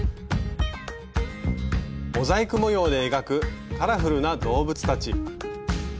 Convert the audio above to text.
モザイク模様で描くカラフルな動物たち。